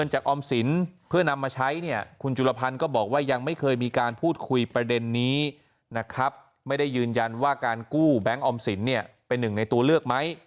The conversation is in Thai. จากออมสินเพื่อนำมาใช้เนี่ยคุณจุลพันธ์ก็บอกว่ายังไม่เคยมีการพูดคุยประเด็นนี้นะครับไม่ได้ยืนยันว่าการกู้แบงค์ออมสินเนี่ยเป็นหนึ่งในตัวเลือกไหม